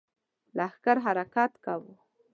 لښکر حرکت کوو.